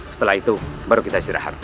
setelah itu baru kita istirahat